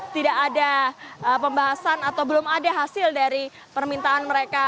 tidak ada pembahasan atau belum ada hasil dari permintaan mereka